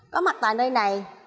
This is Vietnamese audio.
có mặt tại nơi này